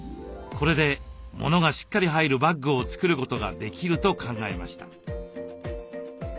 これで物がしっかり入るバッグを作ることができると考えました。